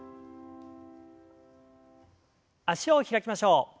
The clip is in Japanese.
脚を開きましょう。